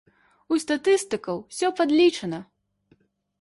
У статыстыкаў усё падлічана.